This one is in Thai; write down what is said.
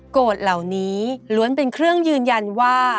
เหล่านี้ล้วนเป็นเครื่องยืนยันว่า